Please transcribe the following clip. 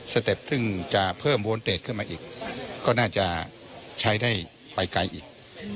เต็ปซึ่งจะเพิ่มโบนเตสขึ้นมาอีกก็น่าจะใช้ได้ไปไกลอีก